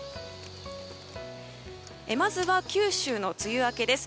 まずは九州の梅雨明けです。